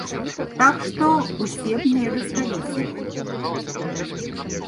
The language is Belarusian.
Так што ўсе мне дасталіся.